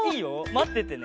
まっててね。